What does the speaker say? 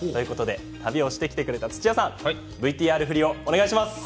旅をしてきてくれた、土屋さんＶＴＲ振りをお願いします。